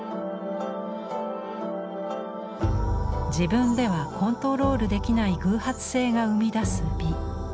自分ではコントロールできない偶発性が生み出す美。